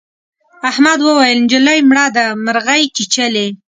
احمد وويل: نجلۍ مړه ده مرغۍ چیچلې.